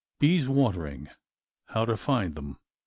BEES WATERING. HOW TO FIND THEM.